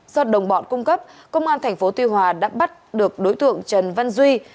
do đồng bọn cung cấp công an tp tuy hòa đã bắt được đối tượng trần văn duy